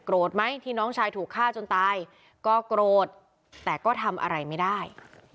ไหมที่น้องชายถูกฆ่าจนตายก็โกรธแต่ก็ทำอะไรไม่ได้